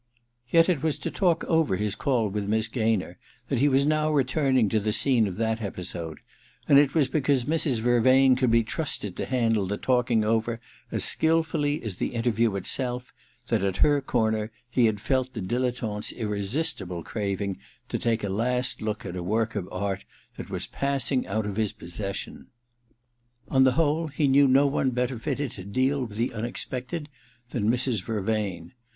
Yet it was to talk over his call with Miss Gaynor that he was now returning to ^ the scene of that episode ; and it was because Mrs. Vervain could be trusted to handle the talking over as skilfully as the interview itself that, at her corner, he had felt the dilettante's irresistible craving to take a last look at a work of art that was passing out of his possession. On the whole, he knew no one better fitted 265 9 266 THE DILETTANTE to deal with the unexpected than Mrs. Vervsun.